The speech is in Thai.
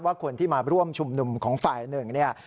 คนที่มาร่วมชุมนุมของฝ่ายหนึ่งเนี่ย